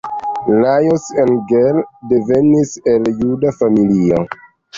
Lajos Engel devenis el juda familio.